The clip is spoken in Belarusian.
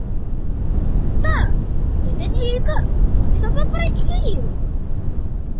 Так, гэта дзіка, што папрасіў.